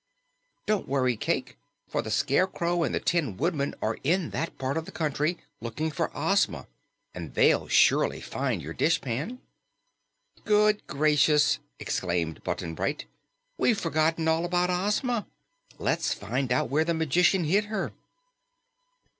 "Don't worry, Cayke, for the Scarecrow and the Tin Woodman are in that part of the country looking for Ozma, and they'll surely find your dishpan." "Good gracious!" exclaimed Button Bright. "We've forgot all about Ozma. Let's find out where the magician hid her."